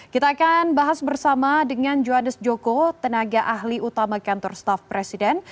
kita akan bahas bersama dengan johannes joko tenaga ahli utama kantor staff presiden